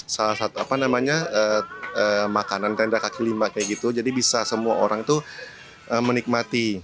salah satu apa namanya makanan tenda kaki lima kayak gitu jadi bisa semua orang tuh menikmati